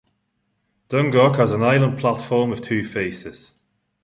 Dungog has an island platform with two faces.